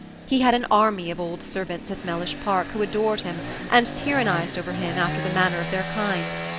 He had an army of old servants at Mellish Park, who adored him, and tyrannized over him after the manner of their kind.